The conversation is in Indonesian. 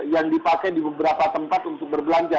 yang dipakai di beberapa tempat untuk berbelanja